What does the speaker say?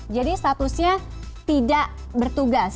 jadi statusnya tidak bertugas